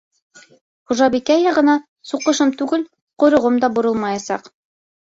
— Хужабикә яғына суҡышым түгел, ҡойроғом да боролмаясаҡ!